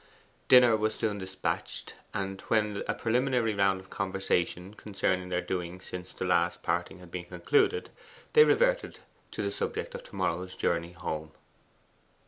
Dinner was soon despatched. And when a preliminary round of conversation concerning their doings since the last parting had been concluded, they reverted to the subject of to morrow's journey home.